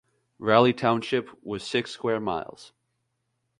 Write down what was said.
Raleigh Township was six square miles.